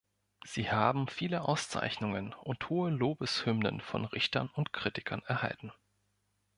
Sie haben viele Auszeichnungen und hohe Lobeshymnen von Richtern und Kritikern erhalten.